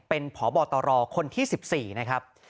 เป็นพบตรคนที่๑๔นะครับ